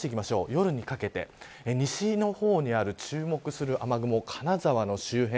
夜にかけて、西の方にある注目する雨雲、金沢の周辺